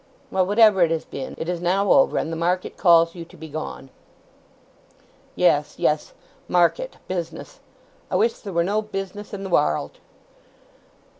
"Well, whatever it has been, it is now over; and the market calls you to be gone." "Yes, yes. Market—business! I wish there were no business in the warrld."